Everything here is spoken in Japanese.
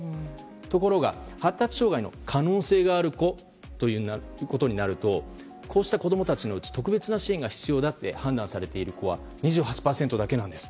ところが、発達障害の可能性がある子ということになるとこうした子供たちのうち特別な支援が必要だと判断されているのは２８％だけなんです。